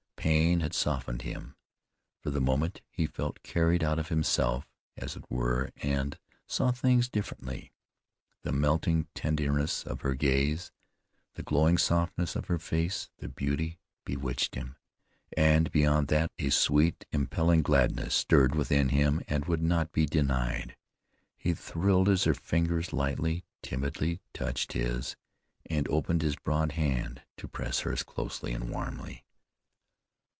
Pain had softened him. For the moment he felt carried out of himself, as it were, and saw things differently. The melting tenderness of her gaze, the glowing softness of her face, the beauty, bewitched him; and beyond that, a sweet, impelling gladness stirred within him and would not be denied. He thrilled as her fingers lightly, timidly touched his, and opened his broad hand to press hers closely and warmly.